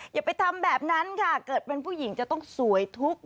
อย่าไปทำแบบนั้นค่ะเกิดเป็นผู้หญิงจะต้องสวยทุกข์